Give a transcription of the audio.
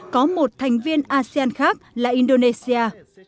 có một thành viên asean khác là indonesia